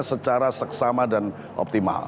secara seksama dan optimal